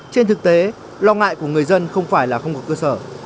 trên thực tế lo ngại của người dân không phải là không có cơ sở